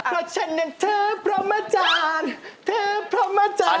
เพลงเฉยจะเลยร้องเพลงหุ้นใจเขาเองนี่ลุก